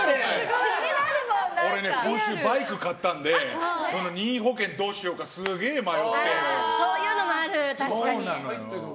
俺、今週バイク買ったんで任意保険どうしようかすげえ迷ってるのよ。